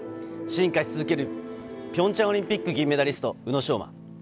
進化し続けるピョンチャンオリンピック銀メダリスト、宇野昌磨。